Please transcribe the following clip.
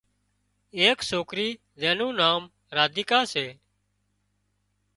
ايڪ سوڪري زين نُون نان راديڪا سي